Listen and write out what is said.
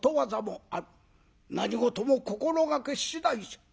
何事も心がけ次第じゃ」。